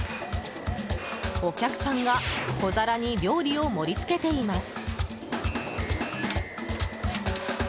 お客さんが小皿に料理を盛りつけています。